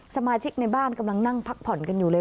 สมาชิกในบ้านกำลังนั่งพักผ่อนกันอยู่เลย